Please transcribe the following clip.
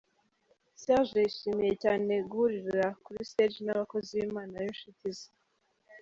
Serge yishimiye cyane guhurira kuri stage n'abakozi b'Imana b'inshuti ze.